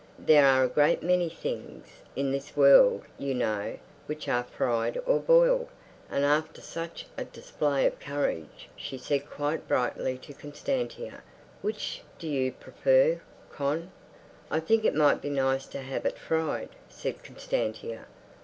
There are a great many things in this world you know, which are fried or boiled." And after such a display of courage she said quite brightly to Constantia, "Which do you prefer, Con?" "I think it might be nice to have it fried," said Constantia.